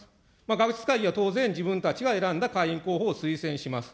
学術会議は当然、自分たちが選んだ会員候補を推薦します。